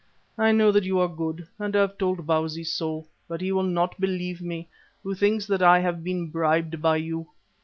I know that you are good and have told Bausi so, but he will not believe me, who thinks that I have been bribed by you.